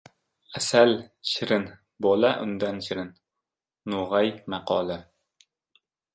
Asal — shirin, bola undan shirin. No‘g‘ay maqoli